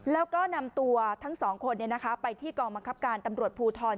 แล้วก็นำตัวทั้งสองคนไปที่กองบังคับการตำรวจภูทร